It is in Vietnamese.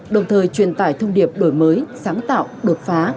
đồng thời truyền tải thông điệp đổi mới sáng tạo đột phá